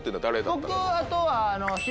僕あとは。